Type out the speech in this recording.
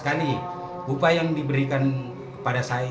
terus yang enaknya ini